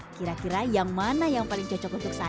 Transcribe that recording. kira kira yang mana yang paling cocok untuk saya